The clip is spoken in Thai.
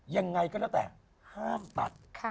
ยังไงก็แล้วแต่ห้ามตัด